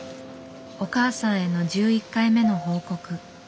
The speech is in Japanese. お母さんへの１１回目の報告。